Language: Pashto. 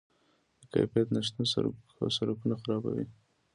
د کیفیت نشتون سرکونه خرابوي.